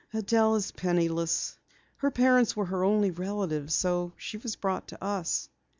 "Adelle is penniless. Her parents were her only relatives, so she was brought to us."